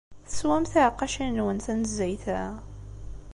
Teswam tiɛeqqacin-nwen tanezzayt-a?